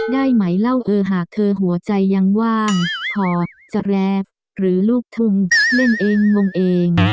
ได้ไหมเล่าเออหากเธอหัวใจยังว่างพอจะแรฟหรือลูกทุ่งเล่นเองงงเอง